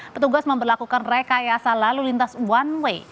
petugas memperlakukan rekayasa lalu lintas one way